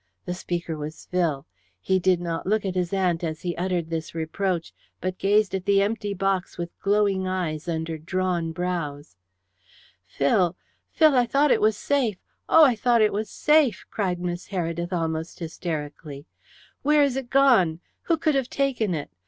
The speaker was Phil. He did not look at his aunt as he uttered this reproach, but gazed at the empty box with glowing eyes under drawn brows. "Phil, Phil, I thought it was safe oh, I thought it was safe!" cried Miss Heredith almost hysterically. "Where is it gone? Who could have taken it?